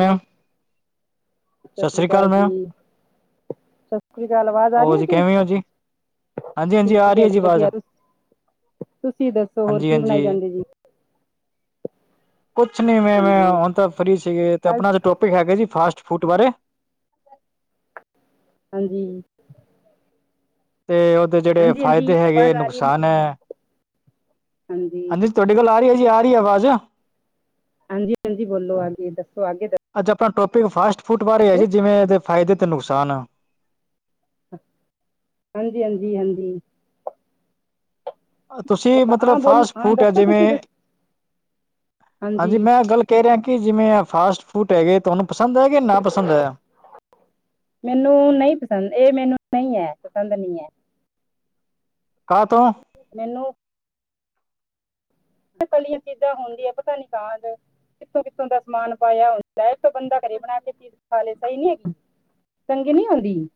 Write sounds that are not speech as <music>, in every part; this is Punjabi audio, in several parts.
ਹਾਂ ਸਸ ਸ੍ਰੀ ਕਾਲ ਜੀ। ਸਸ ਸ੍ਰੀ ਕਾਲ ਆਵਾਜ਼ ਆ ਉਹ ਰਹੀ ਆ ਜੀ। ਕਿਵੇਂ ਹੋ ਹਾਂਜੀ ਹਾਂਜੀ ਆ ਠੀਕ ਰਹੀ ਹੈ ਜੀ ਆਵਾਜ਼ ਵਧੀਆ ਤੁਸੀਂ ਦੱਸੋ ਹੋਰ ਹਾਂਜੀ ਕੀ ਹਾਂਜੀ ਬਣਾਏ ਜਾਂਦੇ ਜੀ। ਕੁਛ ਨੀ ਮੈ ਹਾਂਜੀ, ਹੁਣ ਤਾਂ ਫੀ ਸੀਗੇ ਤੇ ਅੱਜ ਆਪਣਾ ਟੋਪਿਕ ਹੈਗਾ ਜੀ ਫਾਸਟ ਫੂਡ ਬਾਰੇ। ਹਾਂਜੀ ਅਤੇ ਉਹਦੇ ਜਿਹੜੇ ਹਾਂਜੀ-ਹਾਂਜੀ ਫਾਇਦੇ ਹੈਗੇ, ਆਵਾਜ਼ ਆ ਰਹੀ ਮੇਰੀ? ਨੁਕਸਾਨ ਹੈ ਹਾਂਜੀ ਨੀ ਤੁਹਾਡੀ ਗੱਲ ਆ ਰਹੀ ਹੈ ਜੀ ਆ ਰਹੀ ਆਵਾਜ਼। ਹਾਂਜੀ ਹਾਂਜੀ ਬੋਲੋ ਆਗੇ ਦੱਸੋ ਆਗੇ ਦੱ ਅੱਜ ਆਪਾਂ ਟੋਪਿਕ ਫਾਸਟ ਫੂਡ ਬਾਰੇ ਹੈ ਜੀ ਜਿਵੇਂ ਇਹਦੇ ਫਾਇਦੇ ਤੇ ਨੁਕਸਾਨ। ਹਾਂਜੀ-ਹਾਂਜੀ, ਹਾਂਜੀ। ਤੁਸੀਂ ਮਤਲਬ ਹਾਂ ਬੋਲ ਫਾਸਟ ਹਾਂ ਫੂਡ ਹੈ ਦੱਸੋ ਤੁਸੀਂ ਜਿਵੇਂ ਦੱਸ ਹਾਂਜੀ ਮੈਂ ਗੱਲ ਕਹਿ ਰਿਹਾ ਕਿ ਜਿਵੇਂ ਆ ਫਾਸਟ ਫੂਡ ਹੈਗੇ ਤੁਹਾਨੂੰ ਪਸੰਦ ਹੈ ਕਿ ਨਾ ਪਸੰਦ ਹੈ। ਮੈਨੂੰ ਨਹੀ ਪਸੰਦ ਇਹ ਮੈਨੂੰ ਨਹੀਂ ਹੈ ਪਸੰਦ ਨਹੀ ਹੈ। ਕਾ ਤੋ। ਮੈਨੂੰ ਤਲੀਆਂ ਚੀਜ਼ਾਂ ਹੁੰਦੀਆ ਪਤਾ ਨੀ <unintelligible> ਕਿੱਥੋਂ-ਕਿੱਥੋਂ ਦਾ ਸਮਾਨ ਪਾਇਆ ਹੁੰਦਾ ਇਸ ਤੋਂ ਬੰਦਾ ਘਰੇ ਬਣਾ ਕੇ ਚੀਜ਼ ਖਾਲੇ ਸਹੀ ਨੀ ਹੈਗੀ। ਚੰਗੀ ਨੀ ਹੋਦੀ।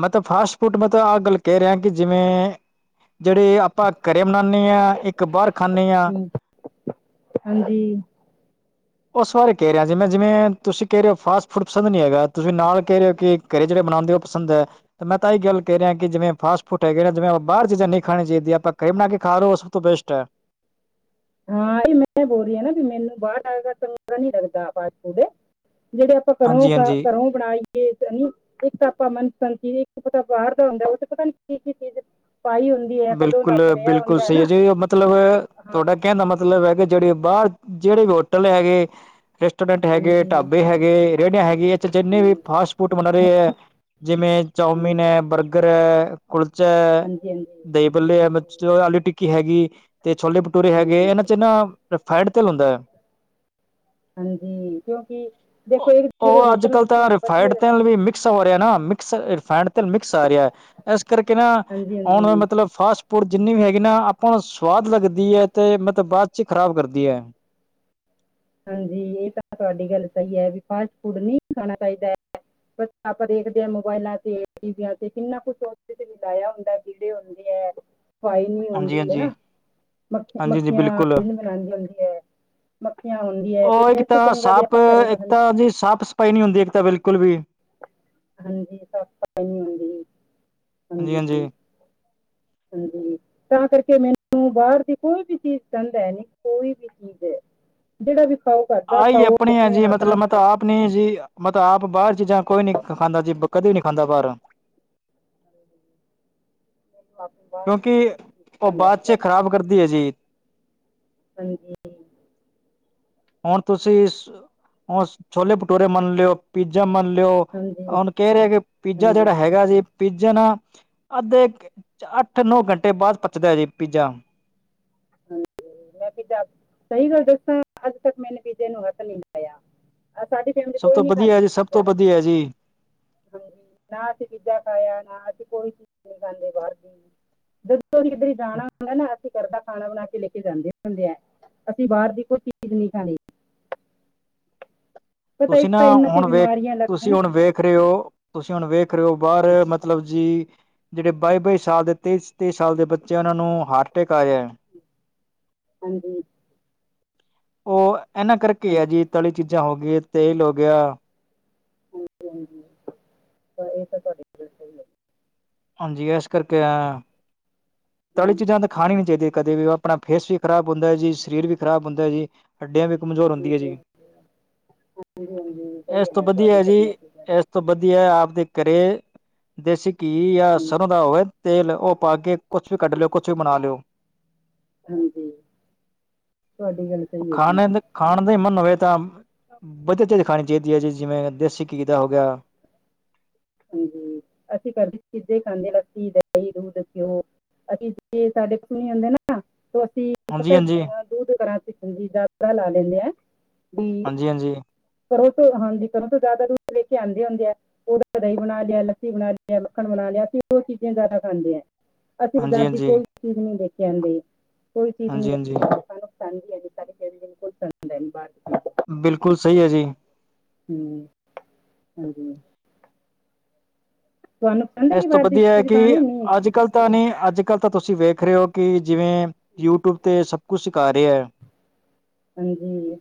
ਮੈਂ ਤਾਂ ਫਾਸਟ ਫੂਡ ਮੈਂ ਤਾਂ ਆਹ ਗੱਲ ਕਹਿ ਰਿਹਾ ਕਿ ਜਿਵੇਂ ਜਿਹੜੇ ਆਪਾ ਘਰੇ ਮਨਾਨੇ ਆ ਹਾ ਇੱਕ ਬਾਰ ਖਾਨੇ ਆ। ਹਾਂਜੀ ਉਸ ਬਾਰੇ ਕਹਿ ਰਿਹਾ ਜਿਵੇ ਤੁਸੀਂ ਕਹਿ ਰਹੇ ਹੋ ਫਾਸਟ ਫੂਡ ਪਸੰਦ ਨਹੀਂ ਹੈਗਾ ਤੁਸੀ ਨਾਲ ਕਹਿ ਰਹੇ ਹੋ ਕਿ ਘਰੇ ਜਿਹੜੇ ਬਣਾਦੇ ਉਹ ਪਸੰਦ ਹੈ। ਤੇ ਮੈਂ ਤਾਂ ਇਹ ਗੱਲ ਕਹਿ ਰਿਹਾ ਕਿ ਜਿਵੇ ਫਾਸਟ ਫੂਡ ਹੈਗੇ ਨੇ ਜਿਵੇਂ ਬਾਰ ਚੀਜ਼ਾ ਨੀ ਖਾਣੀ ਚਾਹੀਦੀ ਆਪਾ ਘਰ ਬਣਾ ਕੇ ਖਾ ਰਹੇ ਹੋ ਤੋਂ ਬੇਸਟ ਹੈ। ਹਾਂ ਇਹੀ ਮੈਂ ਬੋਲ ਰਹੀ ਆ ਨਾ ਵੀ ਮੈਨੂੰ ਬਾਰ ਆ ਚੰਗਾ ਨੀ ਲੱਗਦਾ ਫਾਸਟ ਫੂਡ ਜਿਹੜੇ ਪਾਂ ਘਰੋਂ ਹਾਂਜੀ ਖਾ ਹਾਂਜੀ ਘਰੋਂ ਹੀ ਬਣਾਈਏ ਇੱਕ ਤਾਂ ਆਪਾ ਮਨਪਸੰਦ ਚੀਜ਼ ਇੱਕ ਪਤਾ ਬਾਰ ਦਾ ਹੁੰਦਾ ਉਹ ਤੇ ਪਤਾ ਨੀ ਕੀ-ਕੀ ਚੀਜ਼ ਪਾਈ ਹੁੰ ਬਿਲਕੁਲ-ਬਿਲਕੁਲ ਸਹੀ ਹੈ ਜੀ ਮਤਲਬ ਹਾਂ ਤੁਹਾਡਾ ਕਹਿਣ ਦਾ ਮਤ ਲਬ ਹੈਗੇ ਜਿਹੜੇ ਬਾਹਰ ਜਿਹੜੇ ਵੀ ਹੋਟਲ ਹੈਗੇ ਰੈਸਟੋਰੈਂਟ ਹੈਗੇ, ਹਾਂਜੀ ਢਾਬੇ ਹੈਗੇ, ਰੇਹੜੀਆਂ ਹੈਗੀ ਇਹ ਜਿੰਨੇ ਵੀ ਹਮ, ਫਾਸਟ ਫੂਡ ਬਣਾ ਰਹੇ ਹੈ ਜਿਵੇਂ ਚੌਮੀਨ ਹਾਂਜੀ ਹੈ, ਬਰਗਰ ਹੈ, ਕੁਲਚਾ ਹੈ ਹਾਂਜੀ ਦਹੀ ਬੱਲੇ ਹੈ, ਹਾਂਜੀ ਆਲੂ ਟਿੱਕੀ ਹੈਗੀ ਤੇ ਛੋਲੇ ਟਰੇ ਹੈਗੇ ਹਾਂਜੀ ਇਹਨਾ ਚ ਨਾ ਰਿਫਾਇੰਡ ਤੇਲ ਹੁੰਦਾ। ਹਾਂਜੀ ਕਿਉਂਕਿ ਦੇਖੋ ਇੱਕ ਜਿਹੜੇ ਹੋਟਲ ਬਣੇ ਵਧੀਆ ਹਾਂ ਕਸ ਹੋ ਰਿਹਾ ਨਾ ਮਿਕਸ ਰਿਫਡ ਤੇਲ ਮਿਕਸ ਆ ਰਿਹਾ ਇਸ ਕਰਕੇ ਨਾ ਹਾਂਜੀ ਆਉਣ ਵਾਲ ਹਾਂਜੀ ਮਤਲਬ ਫਾਸਟ ਫੂਡ ਜਿੰਨੀ ਵੀ ਹੈਗੀ ਨਾ, ਆਪਾਂ ਨੂੰ ਸਵਾਦ ਲੱਗਦੀ ਏ, ਤੇ ਮਤਲਬ ਬਾਅਦ ਚ ਖ਼ਰਾਬ ਕਰਦੀ ਐ। ਹਾਂਜੀ ਏਹ ਤਾਂ ਤੁਆਡੀ ਗੱਲ ਸਈ ਐ, ਵੀ ਫਾਸਟ ਫੂਡ ਨਈ ਖਾਣਾ ਚਾਹੀਦਾ। ਬਸ ਆਪਾਂ ਦੇਖਦੇ ਆ ਮੋਬਾਇਲਾਂ ਤੇ, ਟੀਵੀਆਂ ਤੇ, ਕਿੰਨਾ ਕੁਛ ਉ ਤੇ ਵੀ ਡਾਇਆ ਹੁੰਦਾ ਏ। ਕੀੜੇ ਹੁੰਦੇ ਏ। ਸਫ਼ਾਈ ਨਈ ਹਾਂਜੀ ਹੁੰਦੀ, ਹਨਾ? ਹਾਂਜੀ ਮ ਹਾਂਜੀ ਜੀ ਮੱਖੀਆਂ ਪਿੰਨਪਨਾਦੀਆਂ ਹੁੰਦੀਆਂ ਏ। ਔਹ ਇੱਕ ਤਾਂ ਚੰਗਾ ਜੇ ਸਾਪ, ਆਪਾਂ ਘਰੇ ਬਣ ਇੱਕ ਤਾਂ ਜੀ ਸਾਪ ਸਪਾਈ ਨਹੀਂ ਹੁੰਦੀ, ਇੱਕ ਤਾਂ ਬਿਲਕੁਲ ਵੀ। ਹਾਂਜੀ ਸਾਪ ਸਪਾਈ। ਹਾਂਜੀ-ਹਾਂਜੀ। ਹਾਂਜੀ, ਤਾਂ ਕਰਕੇ ਮੈਨੂੰ ਬਾਅਰ ਦੀ ਕੋਈ ਵੀ ਚੀਜ਼ ਪਸੰਦ ਹੈ ਨਈ, ਕੋਈ ਵੀ ਠੀਕ ਏ, ਜੇਅੜਾ ਵੀ ਖਾਓ, ਘਰਦਾ ਖਾਓ, ਆਪਣੇ ਹੱਥ ਨਾਲ ਮੈਂ ਤਾਂ ਬ ਆਪ ਆਪਣੀ ਜੀ, ਮਤਲਬ ਆਪ ਬਾਹਰ ਚੀਜ਼ਾਂ ਕੋਈ ਨੀ ਖਾਂਦਾ ਜੀ, ਕਦੀ ਵੀ ਨਈ ਖਾਂਦਾ ਬਾਹਰੋ। ਆਪ ਕਿਉਂਕਿ ਔਹ ਬਾਅਦ ਚ, ਖ਼ਰਾਬ ਕਰਦੀ ਐ ਜੀ। ਹਾਂਜੀ। ਹੁਣ ਤੁਸੀਂ ਔਸ, ਛੋਲੇ ਭਟੂਰੇ ਮੰਨ ਲਓ। ਪੀਜਾ ਮੰਨ ਲਿਓ, ਹਾਂਜੀ ਹੁਣ ਕੇ ਰਏ ਕਿ ਪੀਜਾ ਹਾਂਜੀ ਜੇਅੜਾ ਹੈਗਾ ਜੇ ਪੀਜਾ ਨਾ, ਅੱਧੇ ਅੱਠ ਨੌ ਘੰਟੇ ਬਾਅਦ ਪੱਚਦਾ ਜੇ ਪੀਜਾ। ਹਾਂਜੀ ਮੈਂ ਪੀਜਾ, ਸਈ ਗੱਲ ਦੱਸਾਂ, ਅੱਜ ਤੱਕ ਮੈਨੇ ਪੀਜੇ ਨੂੰ ਹੱਥ ਨੀ ਲਾਇਆ। ਸਾਡੀ ਫੈਮਿਲੀ ਸਭ ਕੋਈ ਤੋਂ ਨਹੀਂ ਬਦੀਆ ਖਾਂਦੀ ਜੀ, ਸਭ ਤੋਂ ਪੀਜ਼ਾ ਅਸੀਂ- ਬਦੀਆ ਏ ਜੀ। ਹਾਂਜੀ, ਨਾ ਅਸੀ ਪੀਜਾ ਖਾਇਆ, ਨਾ ਅਸੀ ਕੋਈ ਚੀਜ਼ ਨੀ ਖਾਂਦੇ ਬਾਰ ਦੀ। ਕੋਈ ਕਿਦਰੇ ਜਾਣਾ ਹੁੰਦਾ ਏ ਨਾ ਅਸੀਂ ਘਰ ਦਾ ਖਾਣਾ ਬਣਾ ਕੇ ਲੈ ਕੇ ਜਾਂਦੇ ਹੁੰਦੇ ਐ, ਅਸੀਂ ਬਾਅਰ ਦੀ ਕੋਈ ਚੀਜ਼ ਨਈ ਖਾਣੀ। ਪਤਾ ਤੁਸੀਂ ਇੱਕ ਨਾ ਤਾਂ ਇਹਨਾਂ ਤੇ ਹੁਣ ਵੇਖ, ਬਿਮਾਰੀਆਂ ਲੱਗਦੀਆਂ ਤੁਸੀਂ ਨਾ ਹੁਣ ਵੇਖ ਰਏ ਔ। ਤੁਸੀਂ ਹੁਣ ਵੇਖ ਰਏ ਔ, ਬਾਰ ਮਤਲਬ ਜੀ ਜੇਅੜੇ ਬਾਈ-ਬਾਈ ਸਾਲ ਦੇ, ਤੇਈ-ਤੇਈ ਸਾਲ ਦੇ ਬੱਚੇ, ਉਹਨਾਂ ਨੂੰ, ਹਾਰਟ ਅਟੈਕ ਆਏ ਹੈ। ਹਾਂਜੀ। ਉਹ ਏਅਨਾਂ ਕਰਕੇ ਐ ਹਾਂਜੀ ਜੀ, ਤਲੀ ਚੀਜ਼ਾਂ ਹੋ ਗਈ, ਤੇਲ ਹੋ ਗਿਆ। ਹਾਂਜੀ-ਹਾਂਜੀ, ਤਾਂ ਈ ਤਾਂ ਤੁਆਡੇ ਹਾਂਜੀ, ਏਸ ਕਰਕੇ ਆਯਾ ਆ। ਤਲੀ ਹਮ, ਚੀਜ਼ਾਂ ਤਾਂ ਖਾਣੀ ਨੀ ਚਾਈਦੀਆਂ ਕਦੇ ਵੀ, ਉਹ ਆਪਣਾ ਫੇਸ ਵੀ ਖਰਾਬ ਹੁੰਦਾ ਏ ਜੀ, ਸਰੀਰ ਵੀ ਖ਼ਰਾਬ ਹੁੰਦਾ ਏ ਜੀ। ਹੱਡਿਆਂ ਵੀ ਕਮਜ਼ੋਰ ਹੁੰਦੀ ਹੈ ਹਾਂਜੀ ਜੀ, ਹਾਂਜੀ ਹਾਂਜੀ, ਸਹੀ ਏਸ ਗੱਲ ਤੋਂ ਹੈ ਬਦੀਆ ਤੁਹਾਡੀ ਏ ਕਲੀਆਂ ਜੀ ਚੀਜ਼ਾਂ ਦਾ ਏਸ ਤੋਂ ਬਦੀਆ ਆਪਦੇ ਘਰੇ, ਦੇਸੀ ਘੀ ਯਾ ਹਾਂਜੀ ਸਰ੍ਹੋਂ ਦਾ ਹੋਵੇ ਤੇਲ, ਉਹ ਪਾ ਕੇ ਕੁਛ ਵੀ ਕੱਢ ਲਓ, ਕੁਛ ਵੀ ਬਣਾ ਲਓ। ਹਾਂਜੀ, ਤੁਆਡੀ ਗੱਲ ਸਈ ਹੈ ਜੀ। ਖਾਣੇ ਖਾਣ ਦਾ ਈ ਮਨ ਹੋਵੇ ਤਾਂ, ਬਦੀਆ ਚੀਜ਼ ਖਾਣੀ ਚਾਹੀਦੀ ਹੈ ਜੀ, ਜਿਵੇਂ ਦੇਸੀ ਘੀ ਦਾ ਹੋ ਗਿਆ ਹਾਂਜੀ, ਅਸੀਂ ਕਰ ਦੀਆਂ ਚੀਜਾਂ ਈ ਖਾਂਦੇ, ਲੱਸੀ, ਦਈ, ਦੂਧ, ਘਿਓ। ਅਸੀਂ ਜੇ ਸਾਡੇ ਕੁਛਣੀ ਹੁੰਂਦੇ ਨਾ, ਤੇ ਅਸੀਂ ਪਤਾ ਹਾਂਜੀ ਏ ਹਾਂਜੀ ਅਹ ਦੂੱਧ ਕਰਾਂ, ਚਜੀ ਜਾਤਰਾ ਲਾ ਲੈਂਦੇ ਆ, ਵੀ ਹਾਂਜੀ ਹਾਂਜੀ ਘਰੋਂ ਤੋਂ ਹਾਂਜੀ, ਘਰੋਂ ਤੋਂ ਜਆਦਾ ਦੁੱਧ ਲੈ ਕੇ ਆਂਦੇ ਹੁੰਦੇ ਐ। ਕ ਦਈ ਬਣਾ ਲਿਆ, ਲੱਸੀ ਬਣਾ ਲਿਆ, ਮੱਖਣ ਬਣਾ ਲਿਆ, ਅਸੀਂ ਔ ਚੀਜ਼ਾਂ ਜ਼ਆਦਾ ਖਾਂਦੇ ਆਂ। ਅਸੀਂ ਬਜ਼ਾਰ ਹਾਂਜੀ ਦੀ ਹਾਂਜੀ ਕੋਈ ਚੀਜ਼ ਨੀ ਦੇਖ ਕੇ ਆਂਦੇ, ਕੋਈ ਚੀਜ਼ ਨੀ ਹਾਂਜੀ ਹਾਂਜੀ <unintelligible> ਤੰਜੀ ਅਜ ਤਾਰੇਨ ਕੋਲ ਸ ਬਾਰ ਜੀ। ਬਿਲਕੁਲ ਸਈ ਹੈ ਜੀ। ਹੂੰ ਹਾਂਜੀ। ਤੁਹਾਨੂੰ ਪਸੰਦ ਹੈ ਏਸ ਕਿ ਤੋਂ ਬਾਹਰ ਦੀ ਬਦੀਆ ਹੈ ਚੀਜ਼ ਕਿ, ਖਾਣੀ ਨਹੀਂ ਅੱਜ ਕੱਲ ਤਾਂ ਹੈਗੀ ਨਈ, ਅੱਜ ਕੱਲ੍ਹ ਤਾਂ ਤੁਸੀਂ ਵੇਖ ਰਏ ਔ ਕਿ ਜਿਵੇਂ ਯੂ ਟਿਊਬ ਤੇ ਸਭ ਕੁਝ ਸਿਖਾ ਰਏ ਐ। ਹਾਂਜੀ।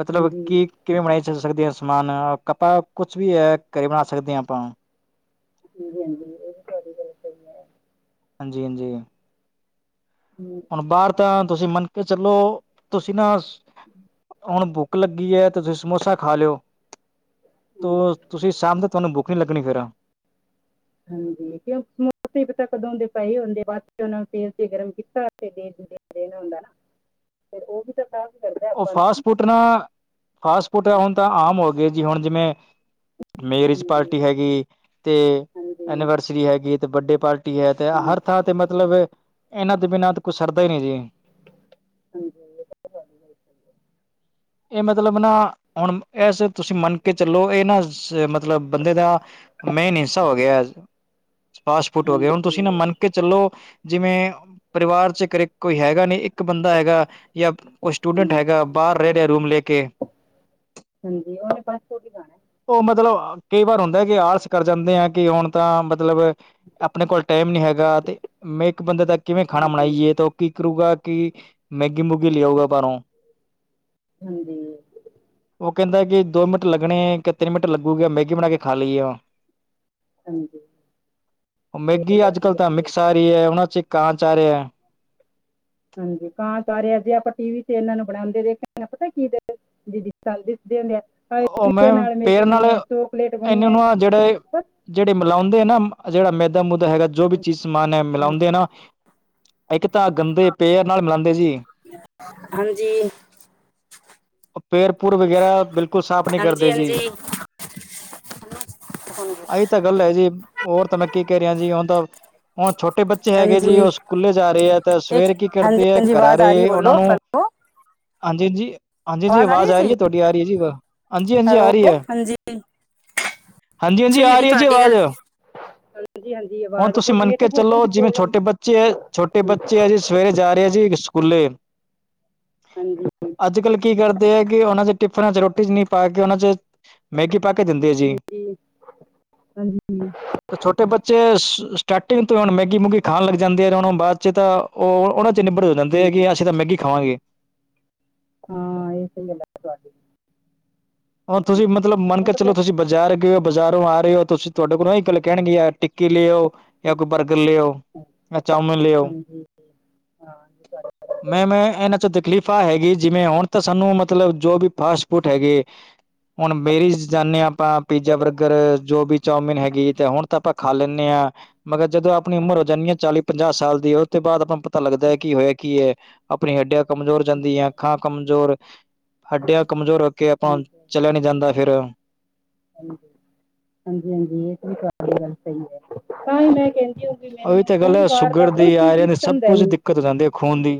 ਮਤਲਬ ਕਿ ਕਿਵੇਂ ਬਣਾਈ ਸਿੱਖ ਸਕਦੇ ਆ ਸਮਾਨ? ਕੱਤਾ ਕੁਛ ਵੀ ਐ, ਘਰੇ ਬਣਾ ਸਕਦੇ ਆ ਆਪਾਂ। ਹਾਂਜੀ-ਹਾਂਜੀ, ਏਹ ਵੀ ਤੁਆਡੀ ਗੱਲ ਸਈ ਐ। ਹਾਂਜੀ-ਹਾਂਜੀ। ਹੂੰ ਬਾਹਰ ਤਾਂ ਤੁਸੀਂ ਮੰਨ ਕੇ ਚਲੋ ਤੁਸੀਂ ਨਾ ਹੂੰ ਹੁਣ ਭੁੱਖ ਲੱਗੀ ਹੈ ਤੁਸੀਂ ਸਮੋਸਾ ਖਾ ਲਿਓ ਤ ਤੁਸੀਂ ਸ਼ਾਮ ਦੇ ਤੁਹਾਨੂੰ ਭੁੱਖ ਨੀ ਲੱਗਣੀ ਫੇਰ ਹਾਂਜੀ ਕਿਉਂ ਸਮੋਸੇ ਵੀ ਤਾਂ ਕਦੋਂ ਦੇ ਪਏ ਹੁੰਦੇ ਬਾਅਦ ਚ ਉਹਨਾਂ ਨੇ ਤੇਲ ਤੇ ਗਰਮ ਕੀਤਾ <unintelligible> <unintelligible> ਫਿਰ ਉਹ ਵੀ ਤਾਂ <unintelligible> ਵੀ ਕਰਦਾ ਉਹ ਆਪਾਂ ਨੂੰ <unintelligible> ਹੁਣ ਤਾਂ ਆਮ ਹੋ ਗਏ ਜੀ ਹੁਣ ਜਿਵੇਂ ਮੇਰਿਜ ਹਾਂਜੀ ਪਾਰਟੀ ਹੈਗੀ ਤੇ ਹਾਂਜੀ ਐਨੀਵਰਸਰੀ ਹੈਗੀ ਤੇ ਬਰਡੇ ਪਾਰਟੀ ਟੀ ਹੈ ਤੇ ਹਰ ਹਾਂਜੀ ਥਾਂ ਤੇ ਮਤਲਬ ਇਹਨਾਂ ਦੇ ਬਿਨਾਂ ਕੁਛ ਸਰਦਾ ਹੀ ਨ ਜੀ <unintelligible> <unintelligible> ਇਹ ਮਤਲਬ ਨਾ ਹੁਣ ਇਸ ਤੁਸੀਂ ਮੰਨ ਕੇ ਚੱਲੋ ਇਹ ਨਾ ਮਤਲਬ ਬੰਦੇ ਦਾ ਮੇਨ <unintelligible> ਹੋ ਗਿਆ ਫਾਸਟ ਫੁਸਟ ਹੋ ਹਾਂਜੀ ਗਿਆ ਹੁਣ ਤੁਸੀਂ ਨਾ ਮਨ ਕਿ ਚਲੋ ਜਿਵੇਂ ਪਰਿਵਾਰ ਚ ਕਰੇ ਕੋਈ ਹੈਗਾ ਨਹੀ ਇੱਕ ਬੰਦਾ ਹੈਗਾ ਜਾਂ ਕੋਈ ਸਟੂਡੈਂਟ ਹਮ, ਹੈਗਾ ਬਾਹਰ ਰਹਿ ਰਿਹਾ ਰੂਮ ਲੈ ਕੇ ਹਾਂਜੀ ਉਹਨੇ <unintelligible> ਉਹ ਮਤਲਬ ਕਈ ਵਾਰ ਹੁੰਦਾ ਕਿ ਆਲਸ ਕਰ ਜਾਂਦੇ ਆ ਕਿ ਹੁਣ ਤਾਂ ਮਤਲਬ ਆਪਣੇ ਕੋਲ ਟਾਈਮ ਨਹੀਂ ਹੈਗਾ ਤੇ ਮੈਂ ਇੱਕ ਬੰਦੇ ਦਾ ਕਿਵੇਂ ਖਾਣਾ ਹਾਂਜੀ ਬਣਾਈਏ ਤਾਂ ਕੀ ਕਰੂਗਾ ਕਿ ਮੈਗੀ ਮੂਗੀ ਲਿਆਉਗਾ ਬਾਰੋਂ ਹਾਂਜੀ ਉਹ ਕਹਿੰਦਾ ਕਿ ਦੋ ਮਿੰਟ ਲੱਗਣੇ ਕਿ ਤਿੰਨ ਮਿੰਟ ਲੱਗੂਗਾ ਮੈਗੀ ਬਣਾ ਕੇ ਖਾ ਲਈਏ ਆ <unintelligible> ਹਾਂਜੀ ਇਹ ਤਾਂ ਤੁਹਾਡੀ ਗੱਲ ਸਾਰੀ ਹੈ ਉਹਨਾ ਚ ਕਾਂਚ ਆ ਰਿਹਾ ਹਾਂਜੀ <unintelligible> ਜੇ ਆਪਾਂ ਟੀ ਵੀ ਤੇ ਇਹਨਾਂ ਨੂੰ ਬਣਾਉਂਦੇ ਦੇਖ ਪਤਾ ਕੀ ਉਹ ਮੈਂ <unintelligible> ਨਾਲ ਮੈਗੀ ਪੇਰ ਨਾਲ ਬਣੀ ਹੈ ਚੋਕਲੇਟ ਇਹਨਾਂ ਨੂੰ ਬਣੀਆ ਆ ਜਿਹੜੇ ਜਿਹੜੇ ਮਿਲਾਉਂਦੇ ਨਾ ਜਿਹੜਾ ਮੈਦਾ ਮੂਦਾ ਹੈਗਾ ਜੋ ਵੀ ਚੀਜ਼ ਸਮਾਨ ਹੈ ਮਿਲਾਉਂਦੇ ਆ ਨਾ ਇੱਕ ਤਾਂ ਗੰਦੇ ਪੇਅਰ ਨਾਲ ਮਿਲਾਉਂਦੇ ਜੀ ਹਾਂਜੀ ਪੇਰਪੁਰ ਵਗੈਰਾ ਕੁ ਸਾਫ਼ ਨਹੀਂ ਕਰਦੇ ਹਾਂਜੀ ਜੀ ਹਾਂਜੀ ਆਏ ਤਾਂ ਤਾਂ ਗੱਲ ਹੈ ਜੀ ਹੋਰ ਤਾਂ ਮੈਂ ਕੀ ਕਹਿ ਰਿਹਾ ਜੀ ਹੁਣ ਤਾਂ ਹੁਣ ਛੋਟੇ ਬੱਚੇ ਹੈਗੇ ਹਾਂਜੀ ਜੀ ਉਹ ਸਕੂਲੇ ਜਾ ਰਹੇ ਹੈ ਤਾਂ ਇੱਕ ਸਵੇਰ ਕੀ ਹਾਂਜੀ ਕਰਦੇ ਹੈ ਹਾਂਜੀ ਘਰਾਂ ਆਵਾਜ਼ ਰ ਆ ਰਹੀ ਹੈ ਬੋਲੋ ਉਹਨਾਂ ਨੂੰ ਹੈਲੋ ਹਾਂਜੀ ਹਾਂਜੀ ਹਾਂਜੀ ਹਾਂਜੀ ਆਵਾਜ਼ ਆ ਰਹੀ ਏ ਤੁਹਾਡੀ ਆ ਰਹੀ ਐ ਜੀ ਵ ਹੈਲੋ ਹਾਂਜੀ ਹਾਂਜੀ ਹਾਂਜੀ ਸਹੀ ਹੈ ਆ ਜੀ ਰਹੀ ਤੁਹਾਡੀ ਆਵਾਜ਼ ਗੱਲ ਹਾਂਜੀ ਹਾਂਜੀ ਹੁਣ ਆਵਾਜ਼ ਤੁਸੀਂ ਥੋੜੀ ਮੰਨਕੇ ਨੈਟਵਰਕ ਚਲੋ ਦੀ ਜਿਵੇਂ ਪ੍ਰੋਬਲਮ ਛੋਟੇ ਬੱਚੇ ਹੈ ਛੋਟੇ ਬੱਚੇ ਆ ਜੀ ਸਵੇਰੇ ਜਾ ਰਹੇ ਆ ਜੀ ਕੁੁੱਲੇ ਹਾਂਜੀ ਅੱਜ ਕੱਲ੍ਹ ਕੀ ਕਰਦੇ ਆ ਕਿ ਉਹਨਾਂ ਚ ਟਿਫਨਾਂ ਚ ਰੋਟੀ ਚ ਨਹੀਂ ਪਾ ਕੇ ਉਹਨਾਂ ਚ ਮੈਗੀ ਪਾ ਕੇ ਦਿੰਦੇ ਸੀ ਹਾਂਜੀ ਹਾਂਜੀ ਹਾਂ ਛੋਟੇ ਬੱਚੇ ਸਟਾਰਟਿੰਗ ਤੋਂ ਹੁਣ ਮੈਗੀ ਮੂਗੀ ਖਾਣ ਲੱਗ ਜਾਂਦੇ ਆ ਉਹਨਾਂ ਬਾਅਦ ਚ ਤਾਂ ਉਹ ਉਹਨਾਂ ਚ ਨਿਬੜ ਕਹਿੰਦੇ ਹੈਂ ਹਾਂਜੀ ਕੇ ਅਸੀਂ ਤਾਂ ਮੈਗੀ ਖਾਵਾਂਗੇ ਹਾਂ ਇਹ ਸ ਗੱਲ ਹੁਣ ਤੁਸੀਂ ਮਤਲਬ ਮੰਨ ਉਹ ਕੇ ਤਾਂ ਚਲੋ ਫਿਰ ਤੁਸੀਂ ਬਜ਼ਾਰ ਗਏ ਹੋ ਬਾਜ਼ਾਰੋਂ ਆ ਰਹੇ ਹੋ ਤੁਸੀਂ ਤੁਹਾਡੇ ਕੋਲੋਂ ਇਹੀ ਗੱਲ ਕਹਿਣਗੇ ਯਾਰ ਟਿੱਕੀ ਲੈਓ ਜਾਂ ਕੋਈ ਬਰਗਰ ਲਿਓ ਜਾਂ ਚਾਮਨ ਲਿਓ ਜੀ ਹਾਂ ਮੈਮ ਇਹਨਾਂ ਚ' ਤਕਲੀਫ਼ਾਂ ਹੈਗੀ ਜਿਵੇਂ ਹੁਣ ਤਾਂ ਸਾਨੂੰ ਮਤਲਬ ਜੋ ਵੀ ਫਾਸਟ ਫੂਡ ਹੈਗੇ ਹੁਣ ਮੇਰੀਜ਼ ਜਾਂਦੇ ਹਾਂ ਆਪਾਂ ਪੀਜ਼ਾ, ਬਰਗਰ ਜੋ ਵੀ ਚੌਮਿਨ ਹੈਗੀ ਤੇ ਹੁਣ ਤਾਂ ਆਪਾਂ ਖਾ ਲੈਂਦੇ ਹਾਂ ਮਗਰ ਜਦੋਂ ਆਪਣੀ ਉਮਰ ਹੋ ਜਾਂਦੀ ਆ ਚਾਲੀ ਪੰਜਾਹ ਸਾਲ ਦੀ ਉਸ ਤੋਂ ਬਾਅਦ ਆਪਾਂ ਨੂੰ ਪਤਾ ਲੱਗਦਾ ਹੈ। ਕੀ ਹੋਇਆ ਕੀ ਹੈ ਆਪਣੀ ਹੱਡਿਆ ਕਮਜ਼ੋਰ ਜਾਂਦੀ ਹੈ ਅੱਖਾਂ ਕਮਜ਼ੋਰ ਹੱਡਿਆਂ ਕਮਜ਼ੋਰ ਹੋ ਕੇ ਆਪਾਂ ਹਾਂਜੀ ਹਾਂਜੀ ਚਲਿਆ ਨੀ ਜਾਂਦਾ ਫੇਰ ਹਾਂਜੀ ਹਾਂਜੀ ਇਹ ਤੇ ਗੱਲ ਸਹੀ ਹੈ ਮੈਂ ਕਹਿੰ ਉਹੀ ਮੈਨੂੰ ਤਾਂ ਗੱਲ ਕੋਈ ਹੈ ਬਾਹਰ ਦਾ ਸ਼ੂਗਰ ਕੋਈ ਦੀ ਚੀਜ਼ ਵੀ ਆਇਰਨ ਦੀ ਸਭ ਪਸੰਦ ਹੈ ਕੁਝ ਨੀ ਦਿੱਕਤ ਹੋ ਜਾਂਦੀ ਹੈ ਖੂਨ ਦੀ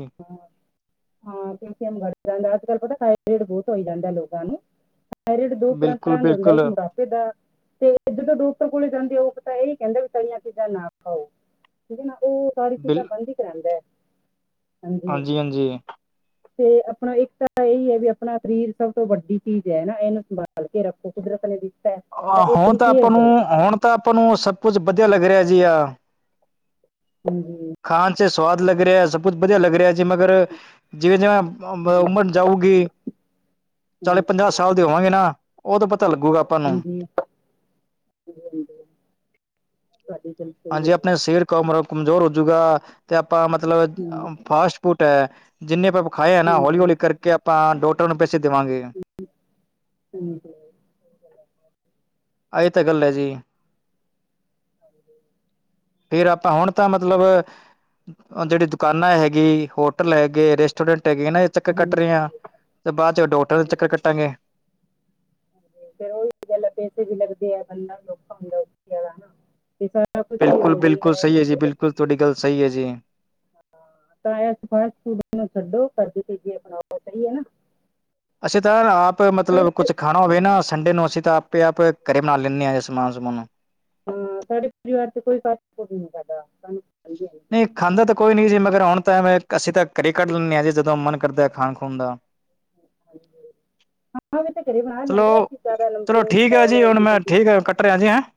ਹਾਂ ਕੈਲਸੀਅਮ ਘੱਟ ਜਾਂਦਾ ਅੱਜ ਕੱਲ ਪਤਾ ਥਾਈਰਡ ਬਹੁਤ ਹੋਈ ਜਾਂਦਾ ਲੋਕਾਂ ਨੂੰ ਬਿਲਕੁਲ <unintelligible> ਬਿਲਕੁਲ ਦਾ ਤੇ ਜਦੋਂ ਡੋਕਟਰ ਕੋਲੇ ਜਾਂਦੇ ਹੋ ਤਾਂ ਇਹ ਕਹਿੰਦਾ ਵੀ ਤਲਈਆਂ ਚੀਜ਼ਾਂ ਨਾ ਖਾਓ ਠੀਕ ਹੈ ਨਾ ਉਹ ਸਾਰੀ ਚੀਜ਼ਾਂ ਬਿਲ ਬੰਦ ਹੀ ਕਰਉਂਦਾ ਹਾਂਜੀ ਹਾਂਜੀ <inaudible> ਤੇ ਆਪਣਾ ਇੱਕ ਤਾਂ ਇਹੀ ਹੈ ਵੀ ਆਪਣਾ ਸਰੀਰ ਸਭ ਤੋਂ ਵੱਡੀ ਚੀਜ਼ ਹੈ ਨਾ ਇਹਨੂੰ ਸੰਭਾਲ ਕੇ ਰੱਖੋ ਕੁਦਰਤ ਦੀ ਹੁਣ ਤਾਂ ਆਪਾਂ ਨੂੰ ਹੁਣ ਤਾਂ ਆਪਾਂ ਨੂੰ ਸਭ ਕੁਝ ਵਧੀਆ ਲੱਗ ਰਿਹਾ ਜੀ ਆ ਹਮ ਹ ਖਾਣ ਚ ਸਵਾਦ ਲੱਗ ਰਿਹਾ ਸਭ ਕੁਛ ਵਧੀਆ ਲੱਗ ਰਿਹਾ ਜੀ ਮਗਰ ਜਿਵੇਂ ਜਿਵੇਂ ਹਮ, ਉਮਰ ਜਾਊਗੀ ਚਾਲੀ ਹਮ, ਪੰਜਾਹ ਸਾਲ ਦੇ ਹੋਵਾਂਗੇ ਨਾ ਉਹ ਤਾਂ ਪਤਾ ਲੱਗੂ ਹਾਂਜੀ ਸਹੀ ਹੈ ਹਾਂਜੀ ਜੀ ਆਪਣੇ ਸਰੀਰ ਕ ਕਮਜ਼ੋਰ ਹੋਜੂਗਾ ਤੇ ਆਪਾਂ ਮਤਲਬ ਹਮ, ਫਾਸਟ ਫੂਡ ਹੈ। ਜਿੰਨੇ ਆਪਾਂਖਾਏ ਆ ਨਾ ਹੌਲੀ ਹਾਂਜੀ ਹੌਲੀ ਕਰਕੇ ਆਪਾਂ ਡੋਕਟਰਾਂ ਨੂੰ ਪੈਸੇ ਦੇਵਾਂਗੇ ਹਾਂਜੀ ਆਏ ਤਾਂ ਗੱਲ ਹੈ ਜੀ ਹਾਂ ਫੇਰ ਆਪਾਂ ਹੁਣ ਤਾਂ ਮਤਲਬ ਜਿਹੜੀ ਦੁਕਾਨਾਂ ਹੈਗੀ ਹੋਟਲ ਹੈਗੇ ਰੈਸਟੋਰੈਂਟ ਹੈਗੇ ਨਾ ਚੱਕਰ ਕੱਟ ਹਾਂਜੀ ਰਹੇ ਹਾ ਤੇ ਬਾਅਦ ਚ ਡਾਕਟਰ ਦੇ ਚੱਕਰ ਹਾਂਜੀ ਕੱਟਾਂਗੇ ਫੇਰ ਉਹੀ ਗਲ ਪੈਸੇ ਵੀ ਲੱਗਦੇ ਆ ਬੰਦਾ ਵੀ ਔਖਾ ਹੁੰਦਾ ਤੇ ਕੁਛ ਬਿਲਕੁਲ ਹੋ ਜਾਂਦਾ ਬਿਲਕੁਲ ਸਹੀ ਹੈ ਜੀ ਜਿੱਥੇ ਤੱਕ ਬਿਲਕੁਲ ਹੁੰਦੇ। ਤੁਹਾਡੀ ਗੱਲ ਸਹੀ ਹੈ ਜੀ ਤਾਂ ਇਸ ਫਾਸਟ ਫੂਡ ਛੱਡੋ ਕਰਜ਼ ਤੇਜ਼ ਬਣਾਓ ਸਹੀ ਹੈ ਨਾ ਅੱਛਾ ਤਾਂ ਆਪ ਸਾਡੇ ਮਤਲਬ ਕੁੱਛ ਖਾਣਾ ਹੋਵੇ ਨਾ ਠੰਡੇ ਨੂੰ ਅਸੀਂ ਤਾਂ ਆਪੇ ਆਪੇ ਘਰੇ ਬਣਾ ਲੈਂਦੇ ਹਾਂ ਸਮਾਨ ਸਮੂਨ ਨੂੰ ਹਾਂ ਸਾਡੇ ਪਰਿਵਾਰ ਚ ਕੋਈ ਸਾਡਾ ਸਾਨੂੰ ਨਹੀਂ ਕਿਸੇ ਨੇ। ਖਾਂਦਾ ਤਾਂ ਕੋਈ ਨੀ ਜੀ ਮਗਰ ਉਣ ਤਾਂ ਅਸੀਂ ਤਾਂ ਘਰੇ ਹੀ ਕੱਢ ਲੈਂਦੇ ਹਾਂ ਜੇ ਜਦੋਂ ਮਨ ਕਰਦਾ ਖਾਣ ਖੂਨ ਦਾ <inaudible> ਹਾਂ ਵੀ ਤਾਂ ਘਰੇ ਬਣਾ ਚਲੋ ਲੈਂਦੇ ਆ ਅਸੀਂ ਸਾਰਾ ਚਲੋ ਨਮਕੀਨ ਠੀਕ ਹੈ ਚਾਵਲ ਜੀ ਹੋ ਹੁਣ ਗਈ ਮੈਂ ਕੜੀ ਠੀਕ ਹੈ ਕੱਟ ਰਿਹਾ ਜੀ ਹੈਂ